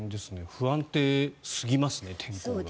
不安定すぎますね、天候が。